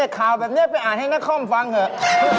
ข่าวแบบนี้ไปอ่านให้นครฟังเถอะ